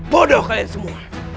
bodoh kalian semua